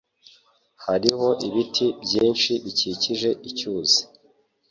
Hariho ibiti byinshi bikikije icyuzi.